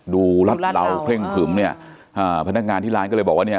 รัดเหลาเคร่งขึมเนี่ยอ่าพนักงานที่ร้านก็เลยบอกว่าเนี่ย